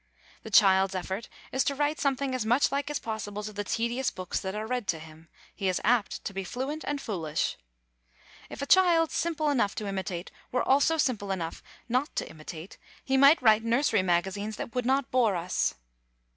The child's effort is to write something as much like as possible to the tedious books that are read to him; he is apt to be fluent and foolish. If a child simple enough to imitate were also simple enough not to imitate he might write nursery magazines that would not bore us.